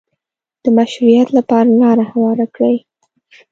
د مشروعیت لپاره لاره هواره کړي